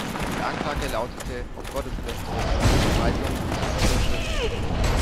Die Anklage lautete auf Gotteslästerung und Verbreitung unzüchtiger Schriften.